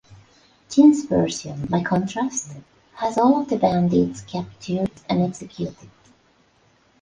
Jin's version, by contrast, has all of the bandits captured and executed.